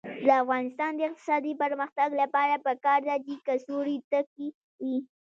د افغانستان د اقتصادي پرمختګ لپاره پکار ده چې کڅوړې تکې وي.